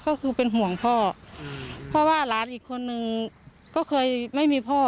ก็คือเป็นห่วงพ่อเพราะว่าหลานอีกคนนึงก็เคยไม่มีพ่อ